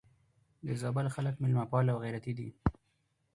د زابل خلک مېلمه پال او غيرتي دي.